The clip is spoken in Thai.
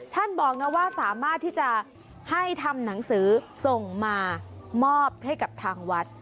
บอกนะว่าสามารถที่จะให้ทำหนังสือส่งมามอบให้กับทางวัด